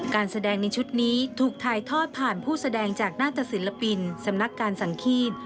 การแสดงในชุดนี้ถูกถ่ายทอดผ่านผู้แสดงจากหน้าตะศิลปินสำนักการสังฆีต